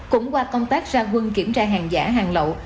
cũng qua công tác ra quân kiểm tra hàng giả hàng lậu